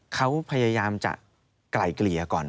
เขาพยายามจะไกล่เกลี่ยก่อน